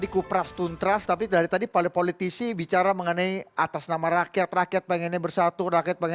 kalau ada para politisi atau mungkin bung rokie juga boleh ditanya